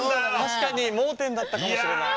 確かに盲点だったかもしれない。